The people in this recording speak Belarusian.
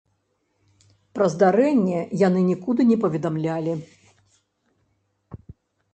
Пра здарэнне яны нікуды не паведамлялі.